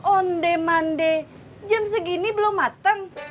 ondemande jam segini belum matang